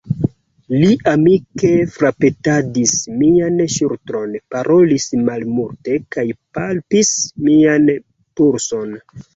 Li amike frapetadis mian ŝultron, parolis malmulte kaj palpis mian pulson.